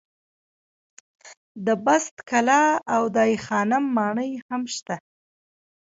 د بست کلا او دای خانم ماڼۍ هم شته.